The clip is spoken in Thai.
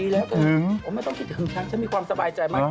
ไม่ต้องคิดถึงฉันฉันมีความสบายใจมาก